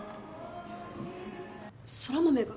空豆が？